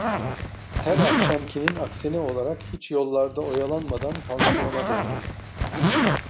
Her akşamkinin aksine olarak hiç yollarda oyalanmadan pansiyona döndüm.